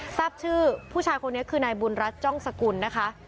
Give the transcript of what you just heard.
ทราบชื่อผู้ชายคนนี้คือนายบุญรัฐจ้องสกุลนะคะ